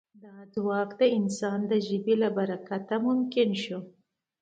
دا ځواک د انسان د ژبې له برکته ممکن شو.